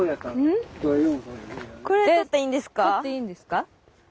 採っていいんですか？